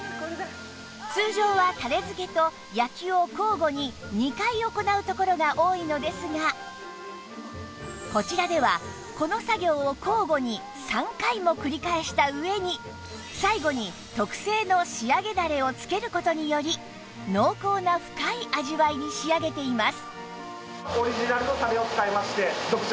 通常はたれ付けと焼きを交互に２回行うところが多いのですがこちらではこの作業を交互に３回も繰り返した上に最後に特製の仕上げだれを付ける事により濃厚な深い味わいに仕上げています